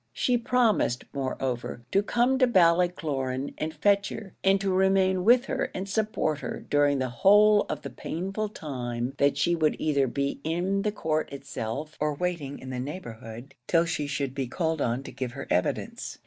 She promised, moreover, to come to Ballycloran and fetch her, and to remain with her and support her during the whole of the painful time that she would either be in the court itself, or waiting in the neighbourhood till she should be called on to give her evidence.